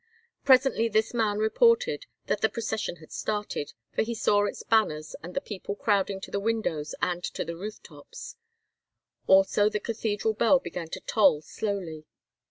Presently this man reported that the procession had started, for he saw its banners and the people crowding to the windows and to the roof tops; also the cathedral bell began to toll slowly.